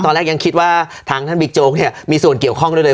แรกยังคิดว่าทางท่านบิ๊กโจ๊กเนี่ยมีส่วนเกี่ยวข้องด้วยเลย